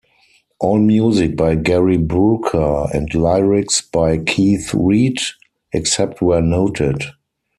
All music by Gary Brooker and lyrics by Keith Reid, except where noted.